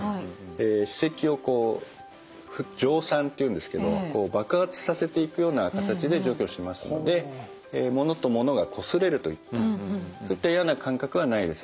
歯石をこう蒸散っていうんですけどこう爆発させていくような形で除去しますのでものとものがこすれるといったそういったような感覚はないです。